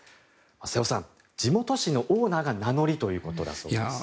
瀬尾さん、地元紙のオーナーが名乗りということです。